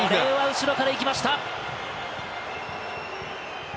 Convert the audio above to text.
後ろから行きました。